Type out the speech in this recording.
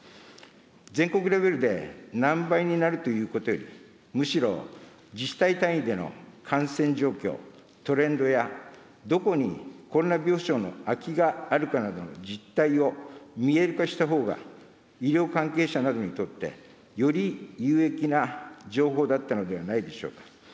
全国レベルで何倍になるということより、むしろ自治体単位での感染状況・トレンドや、どこにコロナ病床の空きがあるかなどの実態を見える化したほうが、医療関係者などにとってより有益な情報だったのではないでしょうか。